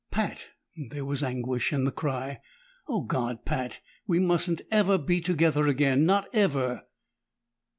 "Pat!" There was anguish in the cry. "Oh, God Pat! We mustn't ever be together again not ever!"